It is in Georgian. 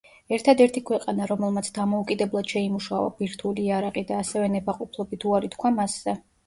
ერთადერთი ქვეყანა, რომელმაც დამოუკიდებლად შეიმუშავა ბირთვული იარაღი და ასევე ნებაყოფლობით უარი თქვა მასზე.